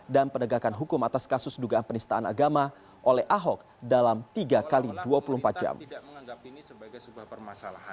dan penegakan hukum atas kasus dugaan penistaan agama oleh ahok dalam tiga x dua puluh empat jam